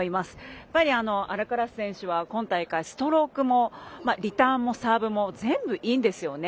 やっぱり、アルカラス選手は今大会、ストロークもリターンもサーブも全部いいんですよね。